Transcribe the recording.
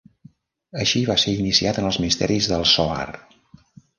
Així va ser iniciat en els misteris del Zohar.